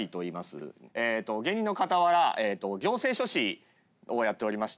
芸人の傍ら行政書士をやっておりまして。